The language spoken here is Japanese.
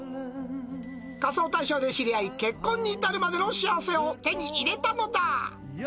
仮装大賞で知り合い、結婚に至るまでの幸せを手に入れたのだ。